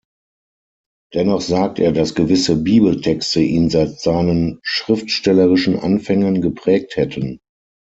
Dennoch sagt er, dass gewisse Bibeltexte ihn seit seinen schriftstellerischen Anfängen geprägt hätten.